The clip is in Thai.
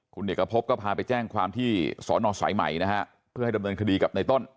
คุณเอกพบก็พาไปแจ้งความที่สอนอสายใหม่นะฮะเพื่อให้ดำเนินคดีกับในต้น